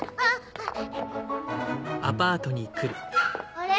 あれ？